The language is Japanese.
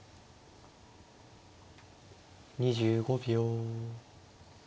２５秒。